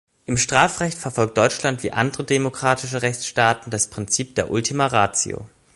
Im Strafrecht verfolgt Deutschland wie andere demokratische Rechtsstaaten das Prinzip der „ultima ratio“.